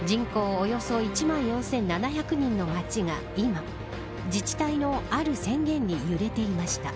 およそ１万４７００人の町が今自治体のある宣言に揺れていました。